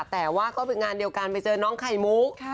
แต่ว่าก็พิกัดงานเดียวกันน้องไข่มุก